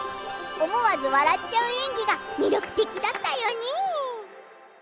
思わず笑っちゃう演技が魅力的だったよね。